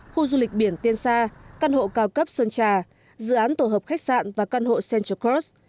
khu du lịch biển tiên sa căn hộ cao cấp sơn trà dự án tổ hợp khách sạn và căn hộ central cross